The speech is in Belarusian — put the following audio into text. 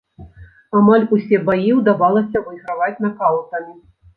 Амаль усе баі ўдавалася выйграваць накаўтамі.